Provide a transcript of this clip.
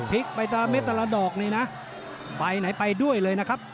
ไปแต่ละเม็ดแต่ละดอกนี่นะไปไหนไปด้วยเลยนะครับ